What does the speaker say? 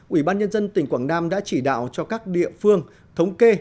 ủy ban nhân dân tỉnh quảng nam đã chỉ đạo cho các địa phương thống kê